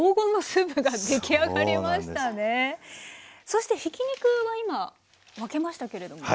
そしてひき肉は今分けましたけれども。